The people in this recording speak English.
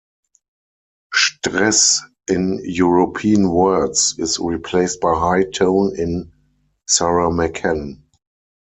Stress in European words is replaced by high tone in Saramaccan.